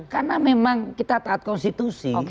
karena memang kita taat konstitusi